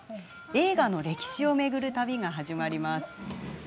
映画の歴史を巡る旅が始まります。